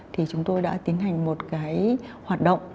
thì chúng tôi đã tiến hành một cái hoạt động